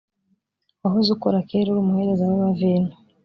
wahoze ukora kera uri umuhereza we wa vino